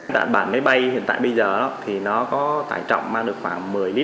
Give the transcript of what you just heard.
đạn bản máy bay hiện tại bây giờ có tải trọng mang được khoảng một mươi lit